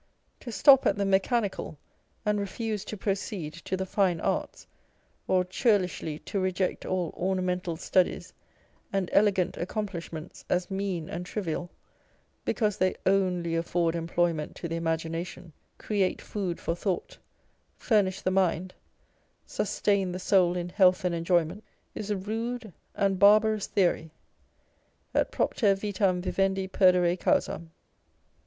To stop at the mechanical, and refuse to proceed to the fine arts, or churlishly to reject all ornamental studies and elegant accomplishments as mean and trivial, because they only afford employment to the imagination, create food for thought, furnish the mind, sustain the soul in health and enjoyment, is a rude and barbarous theory â€" Et propter vitam vivendi pcrdcre causam.